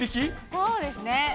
そうですね。